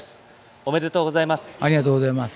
ありがとうございます。